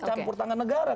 campur tangan negara